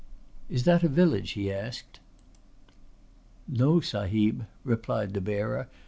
"Is that a village?" he asked. "No, Sahib," replied the bearer.